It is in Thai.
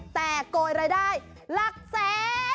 แต่โกยรายได้หลักแสน